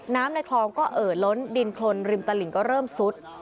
ในคลองก็เอ่อล้นดินโครนริมตลิงก็เริ่มซุด